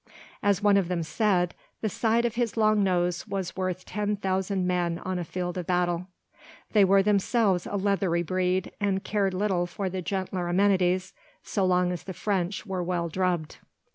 As one of them said, "The sight of his long nose was worth ten thousand men on a field of battle." They were themselves a leathery breed, and cared little for the gentler amenities so long as the French were well drubbed.